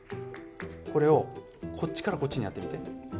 これをこっちからこっちにやってみて。